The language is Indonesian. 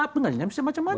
pengadilan bisa macam macam